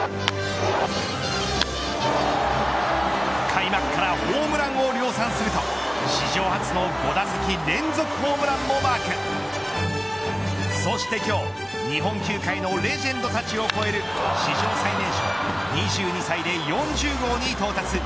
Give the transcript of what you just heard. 開幕からホームランを量産すると史上初の５打席連続ホームランもマークそして今日、日本球界のレジェンドたちを超える史上最年少２２歳で４０号に到達。